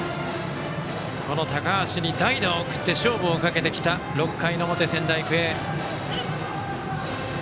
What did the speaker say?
高橋に代打を送って勝負をかけてきた６回の表、仙台育英。